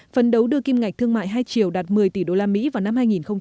phấn đấu đưa kim ngạch thương mại hai triệu đạt một mươi tỷ đô la mỹ vào năm hai nghìn hai mươi